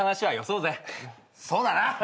そうだな。